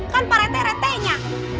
kan pak rt rt nya